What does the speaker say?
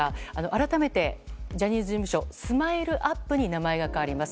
改めて、ジャニーズ事務所ＳＭＩＬＥ‐ＵＰ．に名前が変わります。